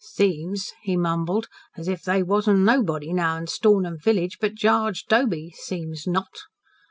"S'ems," he mumbled, "as if they wasn't nobody now in Stornham village but Gaarge Doby s'ems not."